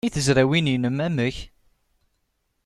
I tezrawin-nnem, amek?